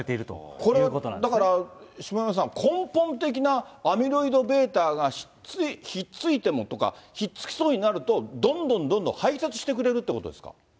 これ、だから下山さん、根本的なアミロイドβが引っ付いてもとか、引っ付きそうになると、どんどんどんどん排泄してくれるってことですか。